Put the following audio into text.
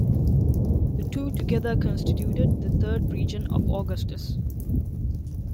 The two together constituted the third region of Augustus.